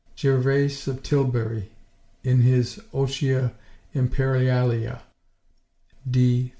Gervase of Tilbury, in his Otia Imperialia (D.